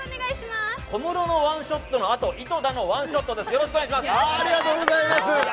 小室のワンショットのあと井戸田のワンショットです。